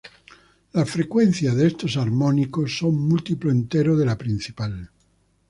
Las frecuencias de estos armónicos son un múltiplo entero de la principal.